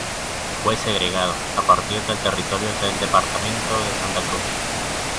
Fue segregado a partir del territorio del departamento de Santa Cruz.